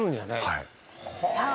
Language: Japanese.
はい。